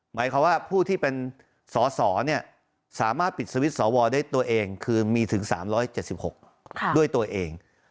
หมายความว่าผู้ที่เป็นสอสอสามารถปิดสวิตช์สวได้ตัวเองคือมีถึง๓๗๖ด้วยตัวเอง